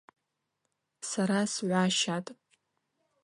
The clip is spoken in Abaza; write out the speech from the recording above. Сара сгӏващатӏ.